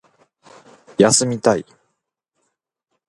休みたい